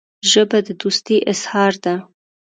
ژبه د دوستۍ اظهار ده